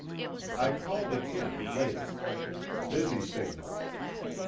I called again, later. Busy signals.